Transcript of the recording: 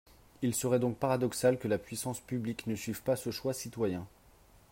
Il serait donc paradoxal que la puissance publique ne suive pas ce choix citoyen.